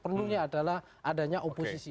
perlunya adalah adanya oposisi